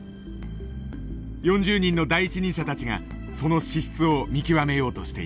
４０人の第一人者たちがその資質を見極めようとしていた。